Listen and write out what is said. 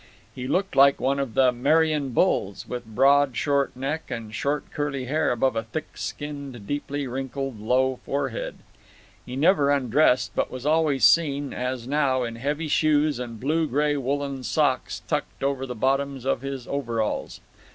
He looked like one of the Merian bulls, with broad short neck and short curly hair above a thick skinned deeply wrinkled low forehead. He never undressed, but was always seen, as now, in heavy shoes and blue gray woolen socks tucked over the bottoms of his overalls.